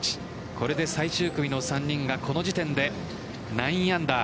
これで最終組の３人がこの時点で９アンダー。